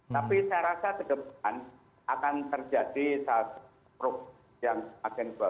tapi saya rasa ke depan akan terjadi satu perubahan yang agenbel